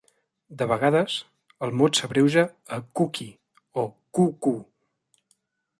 De vegades el mot s'abreuja a "cookie" o "coo-koo".